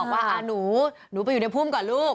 ว่าหนูหนูไปอยู่ในพุ่มก่อนลูก